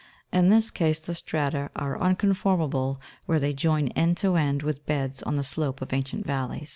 In this case the strata are unconformable where they join end to end with beds on the slope of ancient valleys.